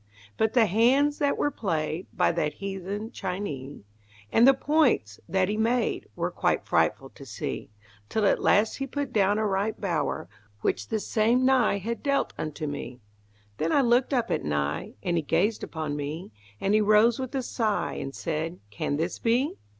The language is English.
But the hands that were played By that heathen Chinee, And the points that he made Were quite frightful to see, Till at last he put down a right bower, Which the same Nye had dealt unto me. Then I looked up at Nye, And he gazed upon me; And he rose with a sigh, And said, "Can this be?